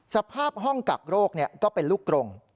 สภาพห้องกักโรคก็เป็นลูกกรง